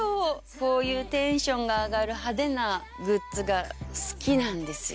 こういうテンションが上がる派手なグッズが好きなんですよ